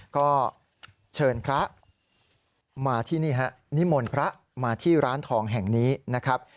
ก็เชิญนิมนต์พระมาที่ร้านทองแห่งนี้นะครับ